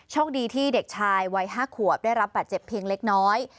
โชคดีที่เด็กชายวัย๕ขวบได้รับบาดเจ็บเพียงเล็กน้อย